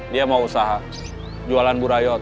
dia mau usaha jualan burayot